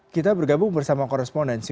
kita bergabung bersama korespondensi